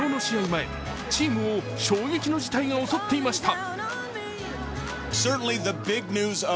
前、チームを衝撃の事態が襲っていました。